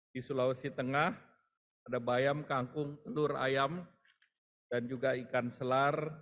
di sulawesi tengah ada bayam kangkung telur ayam dan juga ikan selar